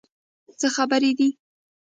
څه خبرې دي؟